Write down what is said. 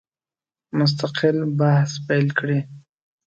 مستقل بحث پیل کړي.